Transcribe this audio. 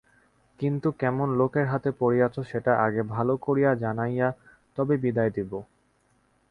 কিন্তু কেমন লোকের হাতে পড়িয়াছ সেটা আগে ভালো করিয়া জানাইয়া তবে বিদায় দিব।